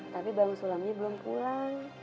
tapi baru sulamnya belum pulang